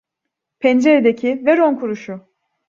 Penceredeki: "Ver on kuruşu!"